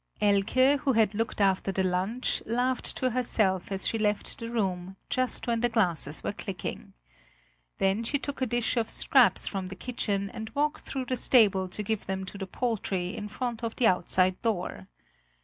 Elke who had looked after the lunch laughed to herself as she left the room just when the glasses were clicking. Then she took a dish of scraps from the kitchen and walked through the stable to give them to the poultry in front of the outside door.